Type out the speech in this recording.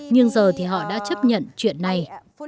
nhưng giờ thì họ đã chấp nhận chuyện này